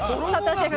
シェフ